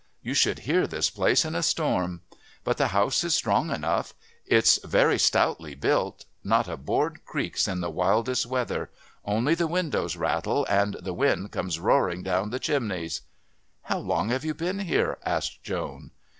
You should hear this place in a storm. But the house is strong enough; it's very stoutly built; not a board creaks in the wildest weather. Only the windows rattle and the wind comes roaring down the chimneys." "How long have you been here?" asked Joan.